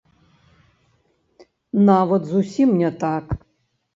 Нават зусім не так!